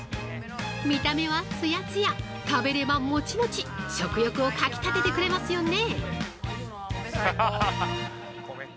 見た目はつやつや食べればもちもち食欲をかきたててくれますよね。